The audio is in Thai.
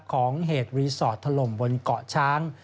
ของเหตุรีสอร์ทถล่มบนเกาะช้าง